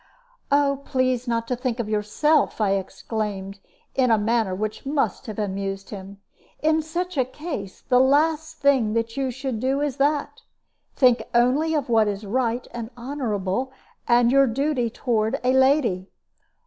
"Oh, please not to think of yourself," I exclaimed, in a manner which must have amused him. "In such a case, the last thing that you should do is that. Think only of what is right and honorable, and your duty toward a lady.